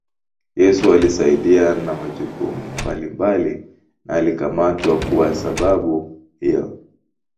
Yeye alisaidia na majukumu mbalimbali na alikamatwa kuwa sababu hiyo.